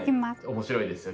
面白いですよ